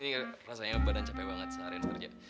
ini rasanya badan capek banget seharian kerja